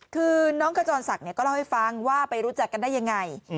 คือน้องขจรศักดิ์ก็เล่าให้ฟังว่าไปรู้จักกันได้ยังไง